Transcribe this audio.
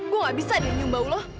gue gak bisa nih nyumbau lo